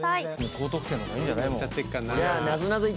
高得点の方がいいんじゃない？